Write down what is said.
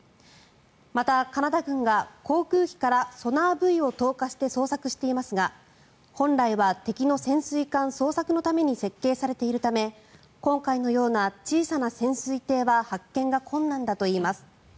また、カナダ軍が航空機からソナーブイを投下して捜索していますが本来は敵の潜水艦捜索のために設計されているため今回のような小さな潜水艇は発見が困難だといいます。